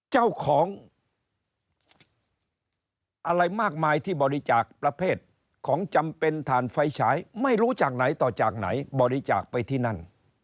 เจ้าของอะไรมากมายที่บริจาคประเภทของจำเป็นถ่านไฟฉายไม่รู้จากไหนต่อจากไหนบริจาคไปที่นั่น